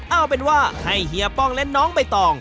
เอาเป็นว่าให้เฮียป้องและน้องใบตอง